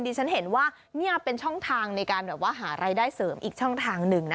ฉันเห็นว่านี่เป็นช่องทางในการแบบว่าหารายได้เสริมอีกช่องทางหนึ่งนะ